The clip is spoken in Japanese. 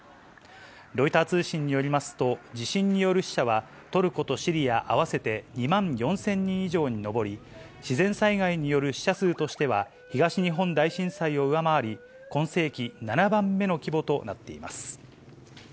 ロイター通信によりますと、地震による死者は、トルコとシリア合わせて２万４０００人以上に上り、自然災害による死者数としては、東日本大震災を上回り、今世紀７番目の規模となっています。